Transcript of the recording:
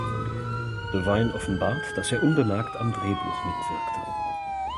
Devine offenbart, dass er unbemerkt am Drehbuch mitwirkte.